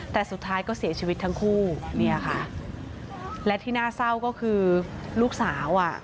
แต่สุดท้ายก็เสียชีวิตทั้งคู่เนี่ยค่ะและที่น่าเศร้าก็คือลูกสาวอ่ะ